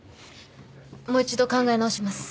もう１度考え直します。